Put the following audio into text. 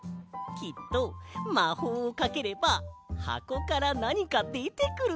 きっとまほうをかければはこからなにかでてくるんだよ。